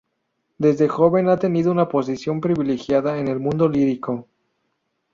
Desde joven ha tenido una posición privilegiada en el mundo lírico.